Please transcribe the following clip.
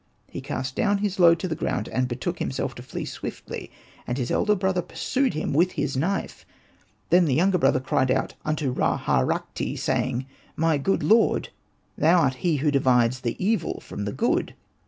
He cast down his load to the ground, and betook himself to flee swiftly ; and his elder brother pursued after him with his knife. Then the younger brother cried out unto Ra Harakhti, saying, " My good Lord ! Thou art he who divides the evil from the good."